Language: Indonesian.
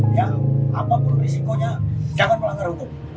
ya apapun risikonya jangan melanggar hukum